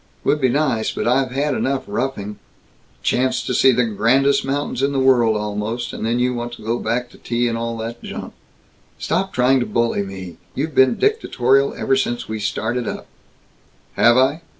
"Would be nice, but I've had enough roughing " "Chance to see the grandest mountains in the world, almost, and then you want to go back to tea and all that junk!" "Stop trying to bully me! You have been dictatorial ever since we started up " "Have I?